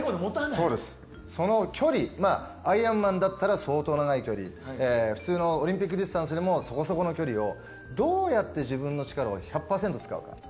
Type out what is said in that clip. その距離アイアンマンだったら相当長い距離、普通のオリンピックディスタンスでもそこそこの距離をどうやって自分の力を１００％使うか。